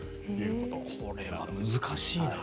これは難しいな。